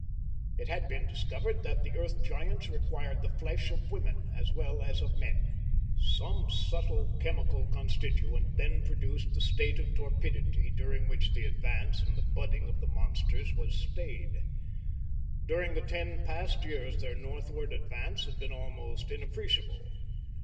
_ It had been discovered that the Earth Giants required the flesh of women as well as of men. Some subtle chemical constituent then produced the state of torpidity during which the advance and the budding of the monsters was stayed. During the ten past years their northward advance had been almost inappreciable.